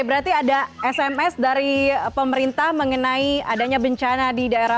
berarti ada sms dari pemerintah mengenai adanya bencana di daerah